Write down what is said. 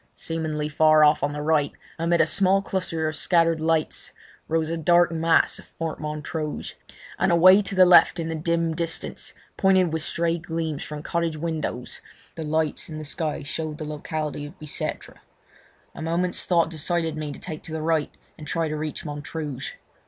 Seemingly far off on the right, amid a small cluster of scattered lights, rose a dark mass of Fort Montrouge, and away to the left in the dim distance, pointed with stray gleams from cottage windows, the lights in the sky showed the locality of Bicêtre. A moment's thought decided me to take to the right and try to reach Montrouge.